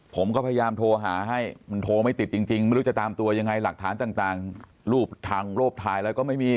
ผมก็พยายามโทรหาให้มันโทรไม่ติดจริงไม่รู้จะตามตัวยังไงหลักฐานต่างรูปทางรูปถ่ายอะไรก็ไม่มี